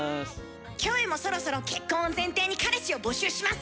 キョエもそろそろ結婚を前提に彼氏を募集します。